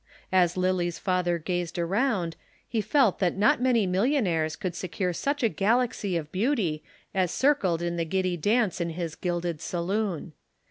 As Lillie's father gazed around, he felt that not many millionaires could secure such a galaxy of beauty as circled in the giddy dance in his gilded saloon.